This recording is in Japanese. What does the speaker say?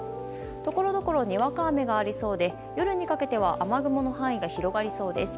ところどころにわか雨がありそうで夜にかけては雨雲の範囲が広がりそうです。